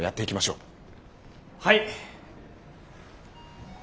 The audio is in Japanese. はい。